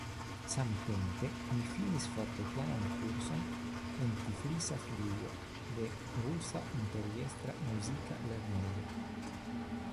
Samtempe mi finis fortepianan kurson en Tiflisa filio de "Rusa Imperiestra muzika lernejo".